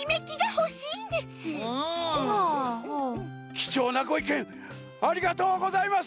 きちょうなごいけんありがとうございます。